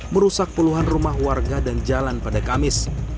merusak puluhan rumah warga dan jalan pada kamis